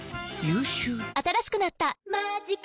新しくなった「マジカ」